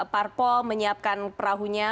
parpo menyiapkan perahunya